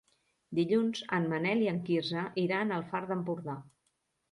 Dilluns en Manel i en Quirze iran al Far d'Empordà.